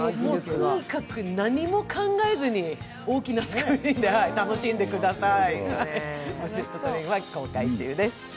とにかく何も考えずに、大きなスクリーンで楽しんでください。